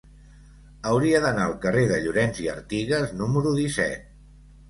Hauria d'anar al carrer de Llorens i Artigas número disset.